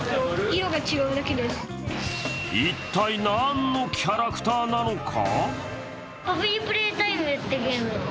一体何のキャラクターなのか？